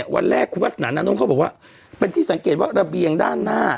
วันแรกคุณวาสนานานุ้งเขาบอกว่าเป็นที่สังเกตว่าระเบียงด้านหน้า